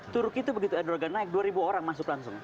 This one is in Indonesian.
turki itu begitu endorgan naik dua orang masuk langsung